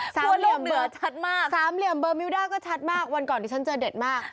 สามเหลี่ยมเบอร์มิวดาก็ชัดมากวันก่อนที่ฉันเจอเด็ดมาก